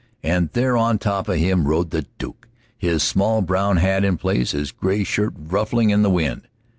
And there on top of him rode the Duke, his small brown hat in place, his gay shirt ruffling in the wind.